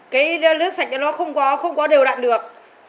cái nước sạch nó không có không có điều đạn được